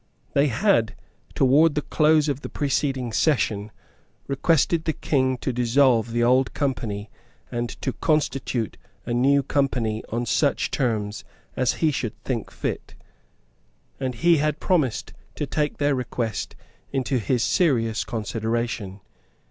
They had, towards the close of the preceding session, requested the King to dissolve the old Company and to constitute a new Company on such terms as he should think fit; and he had promised to take their request into his serious consideration.